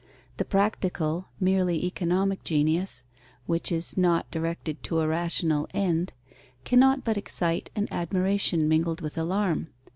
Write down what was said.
The practical, merely economic genius, which is not directed to a rational end, cannot but excite an admiration mingled with alarm.